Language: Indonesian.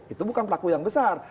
itu bukan pelaku yang besar